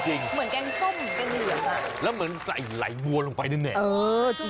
เหมือนแกงส้มแกงเหลืองอ่ะแล้วเหมือนใส่ไหลบัวลงไปนั่นเนี่ย